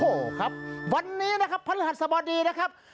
โอ้โหครับวันนี้นะครับพระฤหัสสบดีนะครับ